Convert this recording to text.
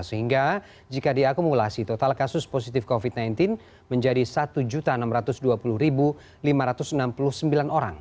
sehingga jika diakumulasi total kasus positif covid sembilan belas menjadi satu enam ratus dua puluh lima ratus enam puluh sembilan orang